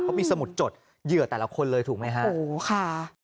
เขามีสมุดจดเหยื่อแต่ละคนเลยถูกไหมฮะโอ้โหค่ะ